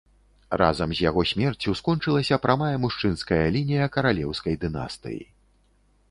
Разам з яго смерцю скончылася прамая мужчынская лінія каралеўскай дынастыі.